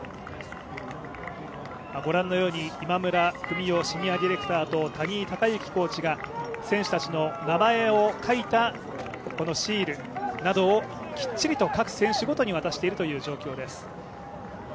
ご覧のように今村文男シニアディレクターと谷井孝行コーチが、選手たちの名前を書いたこのシールなどをきっちり各選手ごとに渡している状況です